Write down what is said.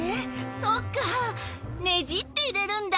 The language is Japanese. そっか、ねじって入れるんだ。